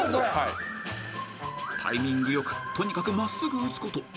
［タイミングよくとにかく真っすぐ打つこと］